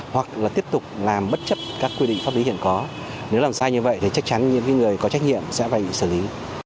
hoặc là tiếp tục làm bất chấp các quy định pháp lý hiện có nếu làm sai như vậy thì chắc chắn những người có trách nhiệm sẽ phải bị xử lý